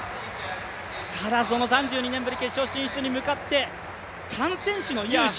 ただ、その３２年ぶり決勝進出に向かって３選手の勇姿。